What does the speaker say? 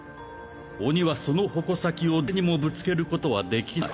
鬼はその矛先を誰にもぶつけることはできない。